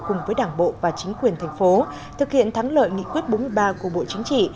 cùng với đảng bộ và chính quyền thành phố thực hiện thắng lợi nghị quyết bốn mươi ba của bộ chính trị